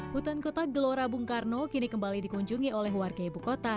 hutan kota gelora bung karno kini kembali dikunjungi oleh warga ibu kota